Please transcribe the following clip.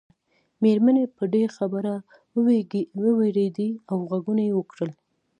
مېرمنې په دې خبره ووېرېدې او غږونه یې وکړل.